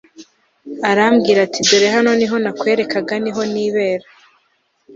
arambwira ati dore hano niho nakwerekaga niho nibera